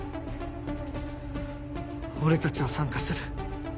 俺たちは参加する。